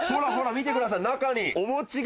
見てください中にお餅が。